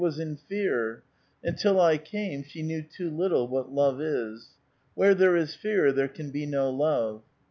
She was in fear ; until I came, she knew too little what love is. Where there is fear there can be no love.